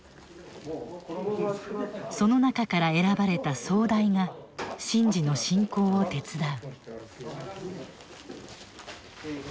その中から選ばれた総代が神事の進行を手伝う。